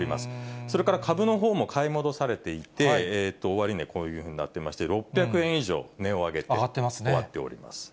それから株のほうも、買い戻されていて、終値、こういうふうになっていまして、６００円以上、上がってますね。